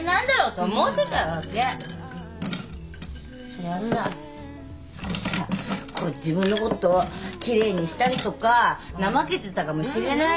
そりゃさ少しさ自分のことを奇麗にしたりとか怠けてたかもしれないよ。